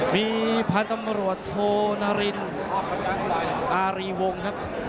มีพันธมรวชโทนรินอารีวงค์ครับ